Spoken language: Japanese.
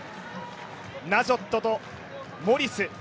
ナジョットと、モリス。